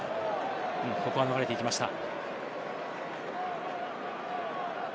ここは逃れていきました。